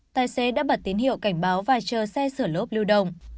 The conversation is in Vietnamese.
tài xế đã bật tín hiệu cảnh báo và chờ xe sửa lốp lưu đồng